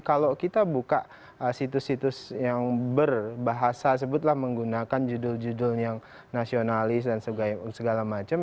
kalau kita buka situs situs yang berbahasa sebutlah menggunakan judul judul yang nasionalis dan segala macam